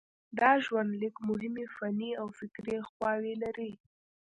دا ژوندلیک مهمې فني او فکري خواوې لري.